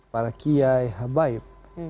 para kiai habaib